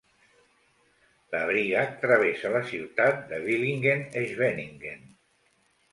La Brigach travessa la ciutat de Villingen-Schwenningen.